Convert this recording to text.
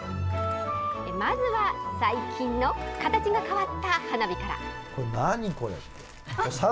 まずは、最近の形が変わった花火から。